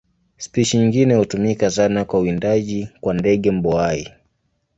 Spishi nyingine hutumika sana kwa uwindaji kwa ndege mbuai.